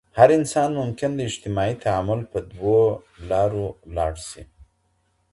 هر انسان ممکن د اجتماعی تعامل په دوو لارو لاړ سي.